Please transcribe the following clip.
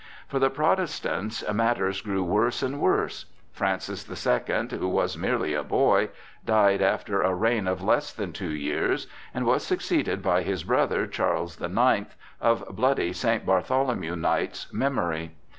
For the Protestants matters grew worse and worse. Francis the Second, who was merely a boy, died after a reign of less than two years, and was succeeded by his brother Charles the Ninth, of bloody St. Bartholomew Night's memory.